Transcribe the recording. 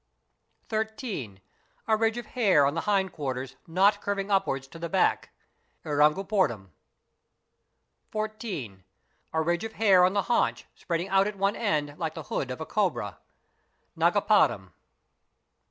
13. A ridge of hair on the hind quarters not curving upwards to the back, (irangupirdn). 14. A ridge of hair on the haunch spreading out at one end like the | hood of a cobra, (nagapadam).